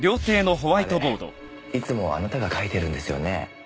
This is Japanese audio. あれいつもあなたが書いてるんですよね？